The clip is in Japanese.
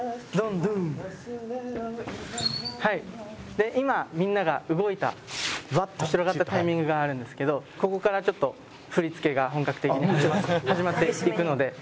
で今みんなが動いたバッと広がったタイミングがあるんですけどここからちょっと振り付けが本格的に始まっていくので。